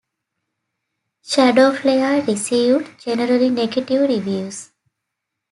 "ShadowFlare" received generally negative reviews.